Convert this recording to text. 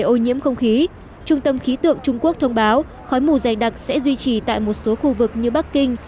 ô nhiễm không khí trung tâm khí tượng trung quốc thông báo khói mù dày đặc sẽ duy trì tại một số khu vực như bắc kinh